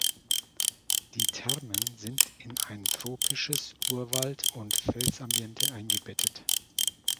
Die Thermen sind in ein tropisches Urwald- und Fels-Ambiente eingebettet.